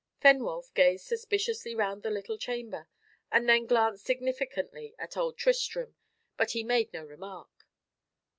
Fenwolf gazed suspiciously round the little chamber, and then glanced significantly at old Tristram, but he made no remark.